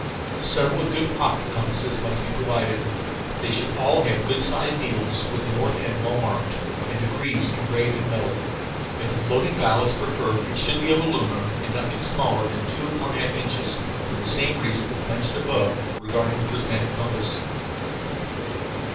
Several good pocket compasses must be provided. They should all have good sized needles with the north end well marked and degrees engraved in metal. If the floating dial is preferred it should be of aluminum and nothing smaller than two and one half inches, for the same reason as mentioned above regarding the prismatic compass.